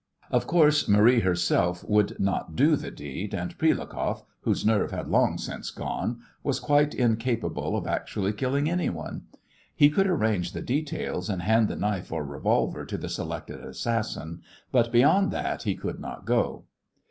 Of course Marie herself would not do the deed, and Prilukoff, whose nerve had long since gone, was quite incapable of actually killing anyone. He could arrange the details and hand the knife or revolver to the selected assassin, but beyond that he could not go.